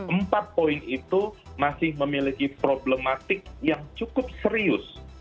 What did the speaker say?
empat poin itu masih memiliki problematik yang cukup serius